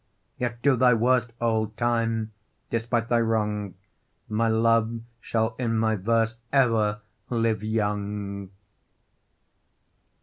Yet do thy worst, old Time; despite thy wrong, My love shall in my verse ever live young.